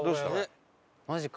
マジか。